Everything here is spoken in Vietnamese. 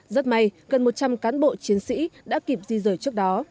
rất may gần một trăm linh cán bộ chiến sĩ đã kịp di rời trước đó